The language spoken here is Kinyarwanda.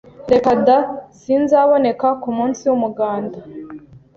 Reka da! Sinzaboneka ku munsi w’umuganda.